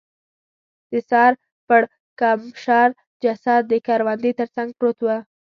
د سر پړکمشر جسد د کروندې تر څنګ پروت و.